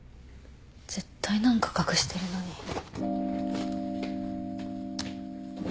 絶対何か隠してるのに。